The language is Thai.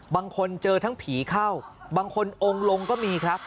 บางคนเจอทั้งผีเข้าบางคนองค์ลงก็มีครับ